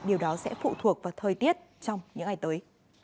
điều đó sẽ phụ thuộc vào thời tiết trong những ngày tới